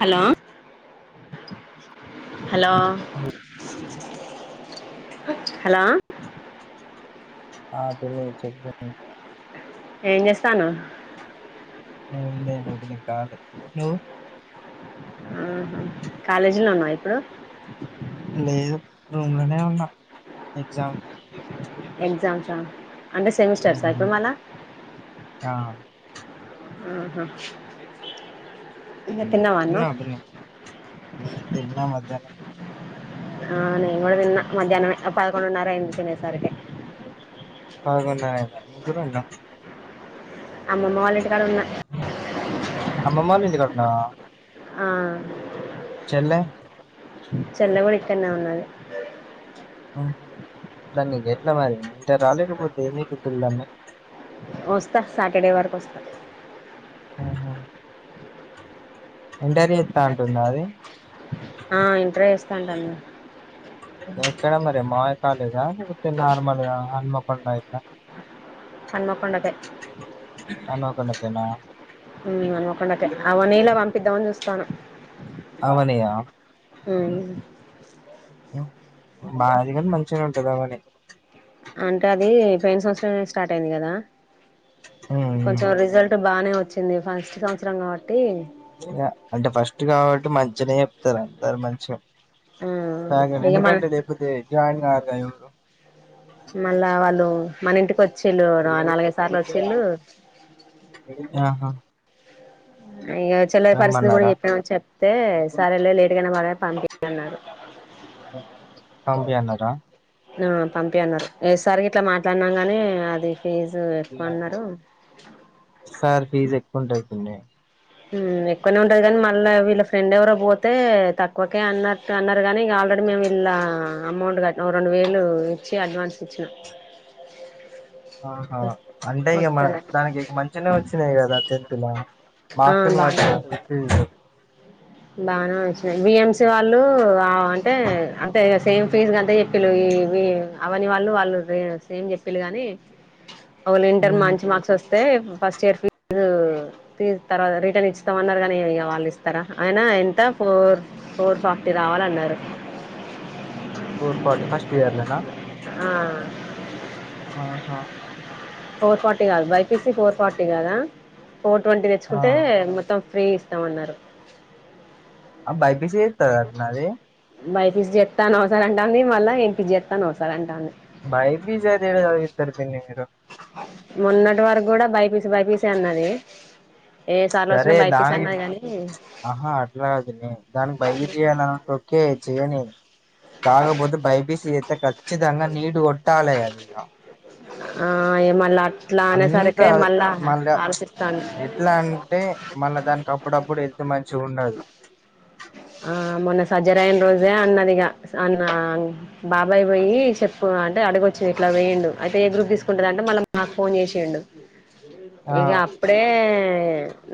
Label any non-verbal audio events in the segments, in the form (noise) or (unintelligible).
Hello hello, hello ఆ చెల్లె (unintelligible) చెప్పే ఏం జేస్తాన్నావ్. ఎం లే డుగ్గు నిక్ కాదు నువ్ కాలేజిల్నే ఉన్నావ ఇప్పుడు లేదు రూమ్ లోనే ఉన్నా ఎగ్జామ్ ఎగ్జామ్సా అంటే సెమిస్టర్సా ఇప్పుడు మళ్ళ ఆ ఆహా ఇంకా తిన్నావా అన్నం తిన్నవ పిన్ని తిన్నా మధ్యాహ్నం ఆ నేను కూడా తిన్నా మధ్యాహ్నం పదకొండున్నర అయింది తినేసరికి పదకొండున్నర ఆఇందా ఎందుకట్ల అమ్మమ్మ వాళ్ళ ఇంటికాడ ఉన్నా అమ్మమ్మ వాళ్ళ ఇంటికాడ ఉన్నావా ఆ చెళ్ళే చెళ్ళే కుడా ఇక్కన్నే ఉన్నది అహ దాన్ని ఎట్లా మరి ఇంటర్ ఆ రాలేకపోతే ఏం చెపితారు దాన్ని వస్తా సాటర్డే వరకు వస్తా ఇంటర్ చేత్తా అంటుంద అది ఆ ఇంటర్ యి చేస్తా అంటంది ఎక్కడ మరి మాయ కాలేజ లేకపోతే నార్మల్గ హన్మకొండ గిట్లా హన్మకొండకే కొండ కేనా మ్ హనుమకొండకే అవ్ నీల పంపిద్దామని చూస్తాన అమనియ మ్ బాది కాని మంచిగానే ఉంటంది అవని అంటే అది పోయిన సంవత్సరమే స్టార్ట్ అయింది కదా కొంచెం ఇగ రిజల్ట్ బాగానే వచ్చింది ఫస్ట్ సంవత్సరం కాబట్టి అంటే ఫస్ట్ కాబట్టి మంచిగనే చెప్తారు అందరు మంచిగా ఆ రాంగానే ఇగ మన ఎందుకంటే లేకపోతే జాయిన్ కారు గ ఎవరు మళ్ళా వాళ్ళు మన ఇంటికోచ్ చ్చిల్లు నాలుగై సార్ల వచ్చిల్లు ఆహా ఇగ చెళ్ళే పరిస్థితి కూడా రమ్మన్నారా చెప్పినం చెప్తే సారేలే లేట్గాయినా మల్ పంపియ్యి అన్నారు పంపియాన్నారా ఆ పంపి అన్నారు ఏస్ అర్ గిట్లా మాట్లాడినాం గాని అది ఫీజు ఎక్కువ అన్నారు సార్ ఫీజ్ ఎక్కువంటుండే ఎక్కువనే ఉంటది కానీ మళ్ళా వీళ్ళ ఫ్రెండ్ ఎవరో పోతే తక్కువకే అన్నట్టు అన్నారు కానీ ఇగ ఆల్రెడీ మేము ఇళ్ళ అమౌంట్ కట్ రెండు వేలు ఇచ్చి అడ్వాన్స్ ఇచ్చినాం అ ఆహా అంటే ఇగ మ దానికి మంచినే వచ్చినాయి కదా తెెన్తులా మా ఆ అక్కను వాటి బానే (unintelligible) బానే వచ్చినాయి బిఎంసి వాళ్ళు అంటే అంటే సేమ్ ఫీజ్ గంతే చెప్పిళ్ళు ఇ వి అవని వాళ్ళు వాళ్ళు సేమ్ చెప్పిళ్ళు గాని ఒకవేళ ఇంటర్ మంచి మార్క్స్ వస్తే ఫస్ట్ ఇయర్ ఫీ జు ఫి త రిటర్న్ ఇస్తతామన్నారు కానీ ఇగ వాళ్ళు ఇస్తారా అయినా ఎంత ఫోర్ ఫోర్ ఫార్టీ రావాలన్నారు ఫోర్ ఫార్టీ ఫస్ట్ ఇయర్ల నా ఆ అహ ఫోర్ ఫార్టీ కాదు బైపీసి ఫోర్ ఫార్టీ కదా ఫోర్ ట్వంటీ తెచ్చుకుంటే మొత్తం ఫ్రీ ఇస్తామన్నారు ఆ బైపిసీ చెత్తదంటన అది బై పి సి చెత్తను అని ఒకసారి అంటాంది మళ్ళా యం పి సి చెత్తను అని ఒకసారి అంటాంది బై పి సి ఎడ చదివిస్తారు పిన్ని మీరు మొన్నటి వరకు కూడా బైపీసి బైపీసి అన్నది ఏ సార్లు వచ్చినా సరే బైపీసీ దానికి అన్నది కాని ఆహా అట్ల కాదు పిన్ని దాన్ని బై పి సి చేయాలని ఉంటే ఒకే చెయని కాకపోతే బై పీ సి అంత ఖచ్చితంగా నీటు కొట్టాలి అదిగా ఆ ఏ మళ్ళా అట్లా అనే అంత సరికి మళ్ళా ఆలోచిస్త ఎట్లా అంటే మల్ల దానికి అప్పుడప్పుడు హెల్త్ మంచిగా ఉండదు ఆ మొన్న సజ్జరి అయిన రోజే అన్నదిగా అన్న బాబాయ్ పోయి చెప్పు అంటే అడుగొచ్చింది ఇట్లా పోయండు అయితే ఏ గ్రూప్ తీసుకుంటుదంటే మళ్ళ మాకు ఫోన్ చేసిండు ఆ ఇగ అప్పుడే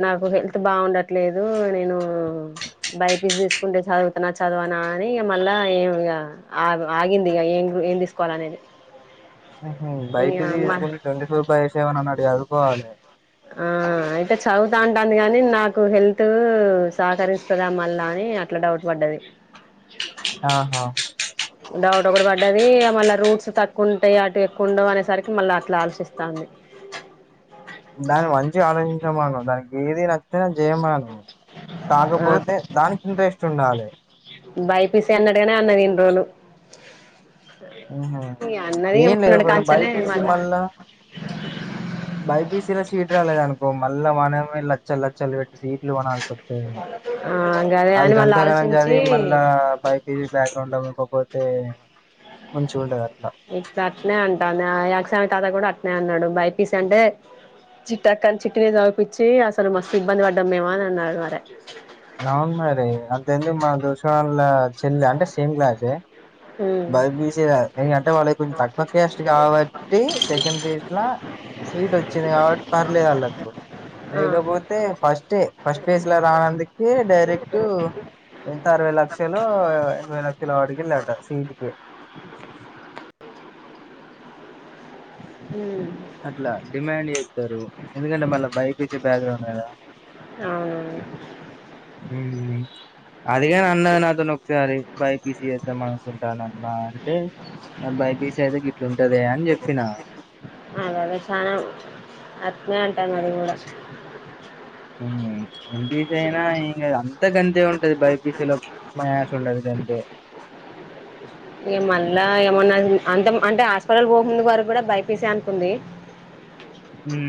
నాకు హెల్త్ బాగుండట్లేదు నేను బయ బిసి తీసుకుంటే చదువుతున్నా చదవానా అని ఇగ మళ్ళీ ఏం ఆగింది ఇగ ఏం తీసుకో పనేది ఉహు బైపిసి తీసుకుంటే ట్వంటీ ఫోర్ బై సెవెన్ అన్నట్టు చదువుకోవాలి ఆ అయితే చదువుతా అంటాంది గానీ నాకు హెల్త్ సహకరిస్తదా మళ్ళా అని అట్లా డౌట్ పడ్డది ఆహా డౌట్ ఒకటి పడ్డది మళ్ళ రూట్స్ తక్కువ ఉంటాయి అటు ఎక్కువ ఉండవు అనేసరికి మళ్ళీ అట్లా ఆలోచిస్తంది దాన్ని మంచి ఆలోచించమను దానికి ఏది నచ్చ జయమాను ఆ కాకపోతే దానికి ఇంట్రెస్ట్ ఉండాలి బైపిసి అన్నట్టుగానే అన్నది ఇన్ని రోజులు ఉహు ఇగ అన్నది ఏం లేదు మొన్నటి ఒకవేళ కాంచెలే బైపీసి మళ్ళా బైపీసీల సీట్ రాలేదు అనుకో మళ్ళ మనమే లచ్చలు లచ్చలు పెట్ సీట్లు కొనాల్సి వస్తది ఆ గదే అది అని మళ్ళీ గంతగానం ఆలోచించి చదివి మళ్ళా బైపీసి బ్యాక్గ్రౌండ్ తగులుకోక పోతే తే మంచిగుండదు అట్లా ఇప్పు అట్నే అంటాను యాకసమి తాత కూడా అట్నే అన్నాడు బైపీసి అంటే చుట్టక్కని చిట్టినే చదిపించి అసలు మస్తు ఇబ్బంది పడ్డాం మేము అని అన్నాడు మరి అవును మరి అంతేందుకు మన దోషగానోళ్ళ చెల్లి అంటే సేమ్ క్లాసే ఉమ్ బై పీ సి ఇంగ అంటే వాళ్ళకి కొంచెం తక్కువ కాస్ట్ కాబట్టి సెకండ్ పేజ్లా సీట్ వచ్చింది కాబట్టి పర్లేదు అళ్ళకు ఆహా లేకపోతే ఫస్టే ఫస్ట్ ఫేస్ లో రానందుకె డైరెక్ట్ అరవై లక్షలు ఎనభై లక్షలో అడిగిల్లట సిట్ కి ఉమ్ అట్ల డిమాండ్ చేస్తారు ఎందుకంటే మళ్ళా బైపిసి బ్యాక్గ్రౌండ్ కదా అవును ఉమ్ అదిగాని అన్నది నాతోను ఒకసారి బైపీసి చేద్దాం అనుకుంటానన్న అంటే ఆ బై పి సి అయితే గి అదే అదే చానా (unintelligible) నే అంటాను అది కూడా ఎంటిసనా ఇ (unintelligible) అంత గంతే ఉంటది బైపిసీలో మాస్ ఉండదు గంతే మళ్ళా ఏమన్నా అంత అంటే హాస్పిటల్ పోకు ముందు వరకు కూడా బైపిసే అనుకుంది ఉం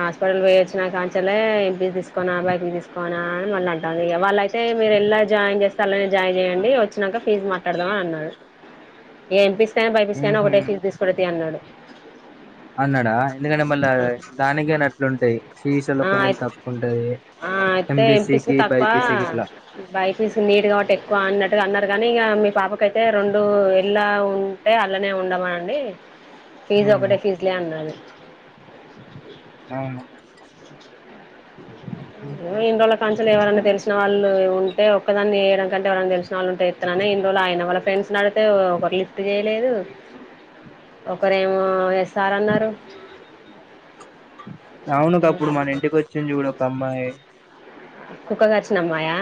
హాస్పిటల్ పోయ వచ్చినా కానించలే ఎంపిసి తీసుకోనా బైపిసి తీసుకోనా అని మళ్ళ అ వాళ్ళ అయితే మీరు ఎలా జాయిన్ చేస్త అల్ల జాయిన్ చేయండి వచ్చినాక ఫీజు మాట్లాడదామని అన్నారు ఇగ ఎంపిసికి అయిన బైపిసి కి అయిన ఉహు ఒకటే ఫీజ తీసుకు (unintelligible) అన్నాడు అన్నాడా ఎందుకంటే మళ్ళ దానికనే అట్లుంటాయి సీఇసి లో ఆ కొంచెం అయితే తక్కువ ఉంటది ఆ అయితే ఎంపీసి ఎంబీసీకి తక్కువ బైపీసీకి ఇట్లా బైపీస్ నీట్ కాబట్టి ఎక్కువ అన్నట్టుగా అన్నారు కానీ ఇగ మీ పాపకైతే రెండు ఇలా ఉంటే అల్లనే ఉండమనండి ఫీజు ఉమ్ ఒకటే ఫీజులే అన్నారు ఆ ఇన్ని రోజుల కాంచులు ఎవరన్నా తెలుసు వాళ్ళు ఉంటే ఒక్కదాన్ని వేయడం కంటే ఎవరైనా తెలిసిన వాళ్ళుంటే ఇత్తననే ఇన్ని రోజు ఆగిన వాళ్ళ ఫ్రెండ్స్ నీ అడిగీతే లిఫ్ట్ చేేయలేదు ఒకరేమో ఎస్ ఆర్ అన్నారు అవును గప్పుడు మన ఇంటికి వచ్చింది చూడు ఒక అమ్మాయి కుక్క కర్చినమ్మాయా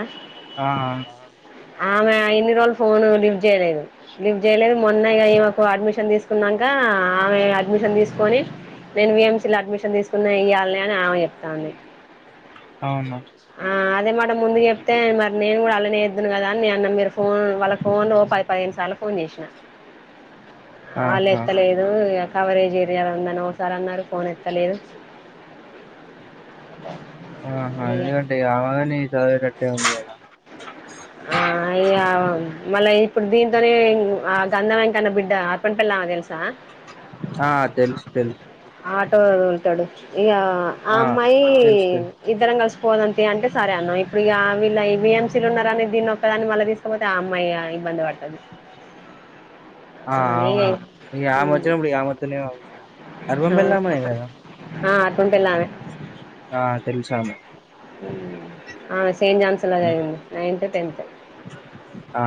ఆ ఆ ఆమె ఇన్ని రోజులు ఫోన్ లిఫ్ట్ చేయలేదు లిఫ్ట్ చేయలేదు మొన్నయ ఈమెకు అడ్మిషన్ తీసుకున్నాక ఆ ఆమె అడ్మిషన్ తీసుకుని నేను విఎంసి ల అడ్మిషన్ తీసుకున్నా ఇయ్యాలని అని ఆమె చెప్తాంది అ అవునా ఆ అదే మాట ముందు చెప్తే మరి నేను కూడా అళ్లానేేద్ను కదా అన్న మీరు ఫోన్ వాళ్ళ ఫోన్ పది పదిహేను సార్లు ఫోన్ చేసిన వాళ్ళు ఆహా ఎత్తలేదు ఇగ కవరేజ్ ఏరియాలా ఉందని ఓసారి అన్నారు ఫోన్ ఎత్తలేదు ఆహా ఇగ ఎందుకంటే ఆవగానే చదివే టట్టే ఉంది కదా ఆ అయ మళ్ళా ఇప్పుడు దీంతోనే ఆ గంధం వెంకన్న బిడ్డ ఆరపన పల్ (unintelligible) తెలుసా ఆ తెలుసు తెలుసు ఆటో ఉంటాడు ఇగ ఆ అమ్మాయి తెలుసు తెలుసు ఇద్దరం కలిసి పోదంతి అంటే సరే అన్నవ్ ఇప్పుడు ఇక వీళ్ళ ఈ విఎంసీలు ఉన్నార అని దీన్ని ఒక్క దాన్ని మళ్ళ తీసుకపోతే ఆ అమ్మాయి ఇబ్బంది పడ్తధి ఆ అవును ఆమె వచ్చిన ము ఆమతు (unintelligible) అరువపలామనేదా (unintelligible) వుంటలామే ఆ తెలుసు ఆమె ఆమె సెంట్ జాన్స్లా చదివింది నైన్త్ టెన్త్ ఆ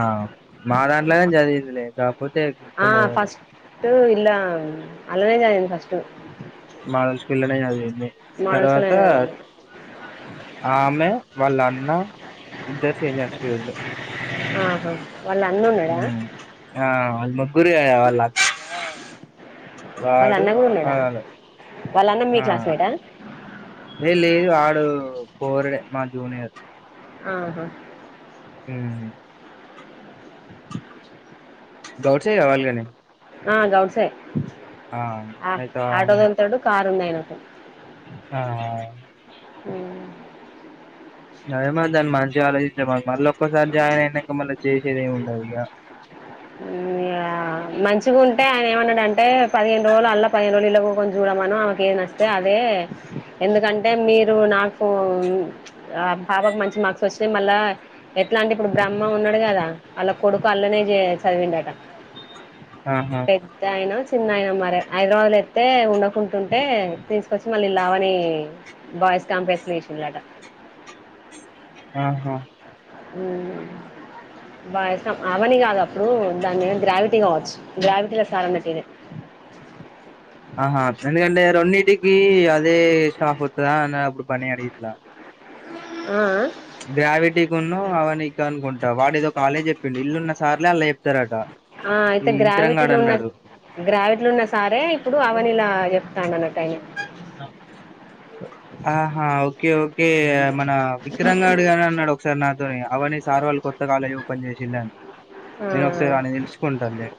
మా దాంట్లోనే చదివివింది లే కాకపోతే మొత్తం చదవలే అటు ఇల్ల అల్లనే చదివింది ఫస్ట్ మోడల్ స్కూల్లోనే చదివింది మోడల్ స్కూల్ తర్వాత లోనే చదివింది ఆమె వాళ్ళ అన్న ఇద్దరు సెయింట్ జాన్స్ కి పోయిర్ ఆహా వాళ్ళ అన్న ఉన్నాడా ఉమ్ ఆ అల్ మగ్గురు గదా వాలక్ వాళ్ళ అన్న కూడా ఉన్నాడా వాళ్ళ అన్న మీ ఆ క్లాస్మేటా ఏ లేదు వాడు ఫోర్డే మా జూనియర్ ఆహా ఉహు గౌడ్ సైడ్ కావాలి కానీ ఆ గౌడ్సే ఆ అయితే ఆటో దొల్తాడు కారు ఉంది అయినటు హా ఆ అవును అదే మా దాన్ని మంచిగా ఆలోచిస్తే మళ్ళ ఒక్కసారి జాయిన్ అయినాక మళ్ళీ చేసేదేెెమి ఉండదు ఇగా ఉమ్ అ ఆ మంచిగా ఉంటే ఆయన ఏమన్నాడు అంటే పదిహేను రోజులు అల్లా పదిహేను రోజులు ఇల్లో కుకొని చూడమను ఆమెను ఏది నచితే అదే ఎందుకంటే మీరు నాకు ఆ పాపకు మంచి మార్క్స్ వచ్చినయి మళ్ళా ఎట్లా అంటే ఇప్పుడు బ్రహ్మ ఉన్నాడు కదా అళ్ళ కొడుకు అల్లనే చేయచ్చు చదివిండట ఆహా పెద్దయిన చిన్నయిన మరి హైదరాబాద్లో ఎత్తే ఉండకుంటుంటే తీసుకొచ్చి మళ్ళీ లావని బాయ్స్ కంప్ వెషిలట ఆహా ఉమ్ బాగా ఇస్తాం అవని కాదు అప్పుడు దానిద గ్రావిటీ కావచ్చు గ్రావిటీలో సార్ అన్నట్ తీరే (inaudible) ఆహా ఎందుకంటే రెండింటికి అదే స్టాఫ్ వత్తదా అ అప్పుడు పని అడిగింది లా ఆ ఆ గ్రావిటీకున్న అవనిక అనుకుంటా వాడి ఇదో ఒక కాలేజ్ చెప్పిడు ఇల్లున్న సార్లే అలా చెప్తారట ఆ అయితే ఈ ఇంకిరంగాడు గ్రావిటీలు ఉన్న అన్నాడు గ్రావిడ్లు ఉన్న సారే ఇప్పుడు అవనిలా చెప్తాడన్నట్ ఆయనా ఆహా ఓకే ఓకే మన విక్రమ్ గాడు గని అన్నడు ఒకసారి నాతోని అవని సార్ వాళ్ళు కొత్త కాలేజ్ ఓపెన్ చేసిళ్ళని ఆ నేను ఒకసారి వాన్ని తెలుసుకుంటాన్లే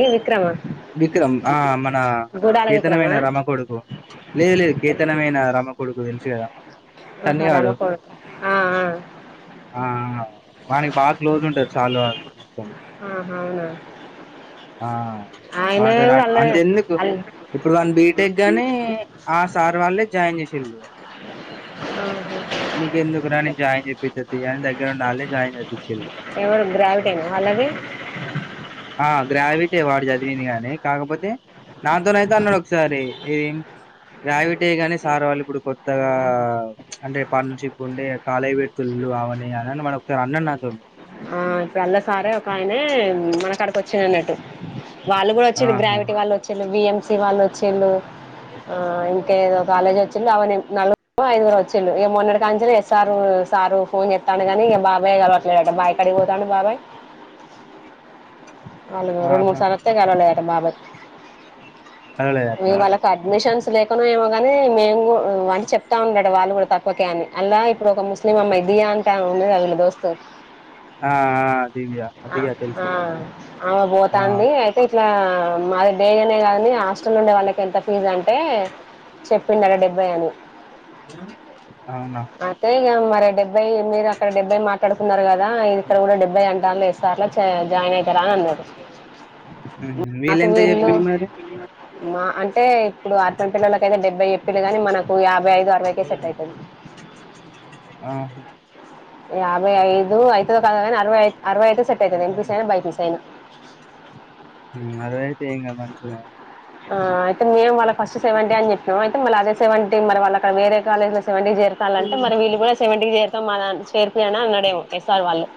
ఈ విక్రమా విక్రమ్ ఆ మన గూడాల విక్రమా కేతనమైన రమ కొడుకు లేదు లేదు కేతనమైనా రమ కొడుకు తెల్సు కదా ఆహా రామ సన్నిగాడు కొడుకు ఆ ఆ ఆ ఆ వానికి బాగా క్లోజ్ ఉంటరు చాలు అది మొత్తం ఆహా అవునా ఆ ఆయన వాన్తోనీగా కూడా అల్లనే అంతా ఎందుకు అల్ ఇప్పుడు దాని బీటెక్ గాని ఆ సార్ వాళ్ళే జాయిన్ చేసిళ్ళు ఆహా నీకు ఎందుకు రా నేన్ జాయిన్ చెపిత్త థీ అని దగ్గర ఉండి వాళ్ళే జాయిన్ చేయిచ్చిళ్ళు గ్రావిటి నా అల్లవి ఆ గ్రావిటే వాడు చదివింది గానీ కాకపోతే నాతోనైతే అన్నడోకసారి ఏం గ్రావిటే కాని సార్ వాళ్ళు ఇప్పుడు కొత్తగా ఆ అంటే పార్టనర్షిప్ ఉండే కాలేజ్ పెడుతుళ్లు అవన్ని అని మన ఒకసారి అన్నడు నాతోని ఆ ఇప్పుడు అల్ల సారే ఒక ఆయనే ఉ మనకాడికి వచ్చిండు అన్నట్టు వాళ్ళు కూడా వచ్చిళ్ళు ఆహా గ్రావిటీ వాళ్ళు వచ్చిళ్ళు విఎంసి వాళ్ళు వచ్చిళ్ళు ఆ ఇంకేదో కాలేజ్ వచ్చిళ్ళు అవని నలుగురో ఐదుగురో అచ్చిళ్ళు ఇగ మొన్నటి కాంచెలి ఎస్ఆర్ సారు ఫోన్ చేతండు కాని బాబాయ్ కలవట్లేదట ఇగ బాయి కాడికి పోతాండు బాబాయ్ ఆలు రెండు ఆహా మూడుసార్లు ఒస్తే కలవలేదంట బాబాయ్ చదవలేదా ఇగ అట్లా వాళ్ళకి అడ్మిషన్స్ లేకున్నా ఏమో గాని మేము గు అని చెప్తా ఉండట వాళ్ళు కూడా తక్వకే అని అల్ల ఇప్పుడు ఒక ముస్లిం అమ్మాయి దియ అంటమే ఉండేగా వీళ్ళ దోస్తు ఆ ఆ దివ్య అ దివ్య తెలుసు ఆ అమ ఆ పోతుంది అయితే ఇట్లా మాది డే కాని హాస్టల్ ఉండే వాళ్ళకి ఎంత ఫీజ్ అంటే చెప్పిందట డెబ్బై అని అవునా అయితే ఇక మరి డెబ్బై మీరు అక్కడ డెబ్బై మాట్లాడుకున్నరు కదా ఇగ ఇక్కడ కూడా డెబ్బై అంటాన్లు ఎ సార్లా చే జాయిన్ ఐతరా అని అన్నడు ఉహు. మాకు వీళ్ళెంత వీళ్ళు చెప్పిళ్ళు మరి మా అంటే ఇప్పుడు అర్బన్ పిల్లల అయితే డెబ్బై చెప్పిళ్ళు గాని మనకు యా ఐదు అరవైకే సెట్ ఐతది ఆహు యాభై ఐదు ఐతదో కాదో కానీ అరవై ఐ అరవై అయితే సెట్ అవుతుంది ఎంపీసైయినా బైపిసి అయినా ఉ అదేతే ఏం గాదు మంచిగ ఆ అయితేే మేము వాళ్ళకి ఫస్ట్ సెవెంటీ అని చెప్పినం అయితే మళ్ళ అదే సెవెంటీ మరి వాళ్ళ అక్కడ వేరే కాలజ్ ల సెవెంటీ చేరతాలంటే మరి వీళ్ళు కూడా సెవెంటీ చేరుతాం మాదాంట్ చేరిపియ్యండి అని అన్నడేమో ఎస్ఆర్ వాళ్ళు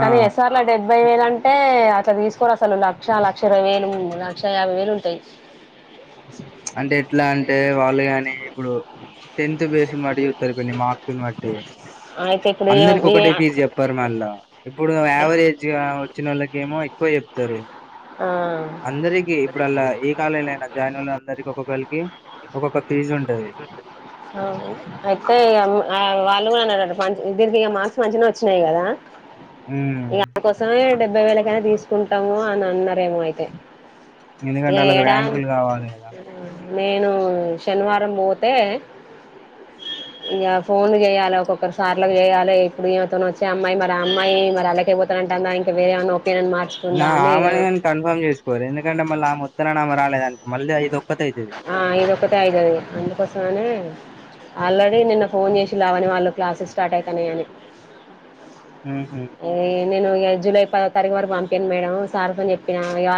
ఆ ఎస్ఆర్ల డెబ్బై వేలు అంటే అట్ల తీసుకోరు ల లక్ష లక్ష ఇరవై వేలు లక్ష యాభై వేలు ఉంటయి అంటే ఎట్లా అంటే వాళ్ళు కాని ఇప్పుడు టెన్త్ బేస్ ని బట్టి చూస్తారు పిన్ని మార్క్స్ ను బట్టి అయితే ఇప్పుడు ఏం అందరికి ఏ ఒకటే ఫీస్ చెప్పరు మళ్ళా ఇప్పుడు యావరేజ్ వచ్చినోళ్ళకెమో ఎక్కువ చెప్తారు ఆ అందరికి ఇప్పుడు అళ్ల ఏ కాలేజ్ ల అయిన జాయినోళ్ల అందరికి ఒక్కొక్కరికి ఒక్కొక్క ఫీజ్ ఉంటది అవును ఎక్కో ఇగ వాళ్ళు కూడా అన్నారట మంచి దీనికి ఇక మార్క్స్ మంచిగనే వచ్చినాయి కదా ఉమ్ ఇక అందు కోసమే డెబ్బై వేలకైనా తీసుకుంటము అని అన్నారేమో అయితే ఇగ ఎందుకంటే వాళ్ళకి ఏడా ర్యాంకులు కావాలి కదా నేను శనివారం పోతే ఇక ఫోన్లు చేయాలి ఒక్కొక్కరి సార్ల కు చేయాలే ఇప్పుడు ఈమతోని వచ్చె అమ్మాయి మరి అమ్మాయి మరి అలకె పోతన్నా అంటందా ఇంక వేరేమన్నా ఓపీనియన్ మార్చుకుందా ఆమెనే అని కన్ఫర్మ్ చేసుకోరి ఎందుకంటే మళ్ళ ఆమె అత్తనని ఆమ రాలేదనుకో మళ్ళ ఇదొక్కతి ఐతది సోనే ఆల్రెడీ నిన్న ఫోన్ చేసి లావన్య వాళ్ళ క్లాసెస్ స్టార్ట్ అయితన్నయని ఉహు నేను ఇగ జూలై పదో తారీకు వరకు పంపాను మేడం సార్ తోని చెప్పినా ఇగ ఆ సా